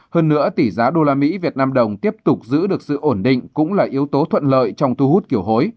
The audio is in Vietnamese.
hơn nữa tỷ giá usd vnđ tiếp tục giữ được sự ổn định cũng là yếu tố thuận lợi trong thu hút kiều hối